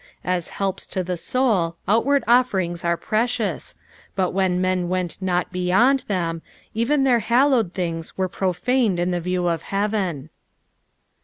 As helps to the soul, outward offerings were preeioua, but when men went not beyond them, even their hallowed things were profaned in the view of heaven.